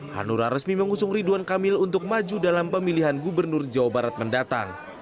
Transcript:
hanura resmi mengusung ridwan kamil untuk maju dalam pemilihan gubernur jawa barat mendatang